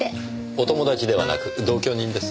お友達ではなく同居人です。